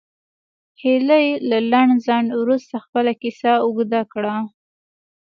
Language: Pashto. هیلې له لنډ ځنډ وروسته خپله کیسه اوږده کړه